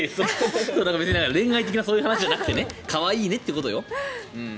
別に恋愛的なそういう話じゃなくて可愛いねってことよ。